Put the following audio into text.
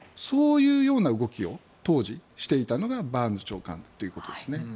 そういうような動きを当時、していたのがバーンズ長官ということですね。